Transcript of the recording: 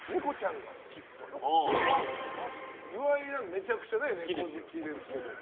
めちゃくちゃネコ好きですけども。